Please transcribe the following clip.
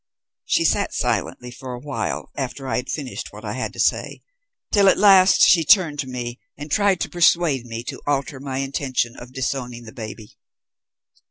She sat silently for a while after I had finished what I had to say, till at last she turned to me and tried to persuade me to alter my intention of disowning the baby.